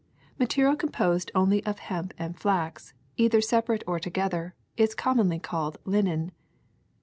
''Material composed only of hemp and flax, either separate or together, is commonly called linen.